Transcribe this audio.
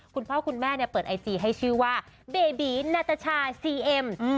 คุณพ่อคุณแม่เนี่ยเปิดไอจีให้ชื่อว่าเบบีนาตาชาซีเอ็ม